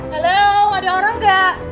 halo ada orang gak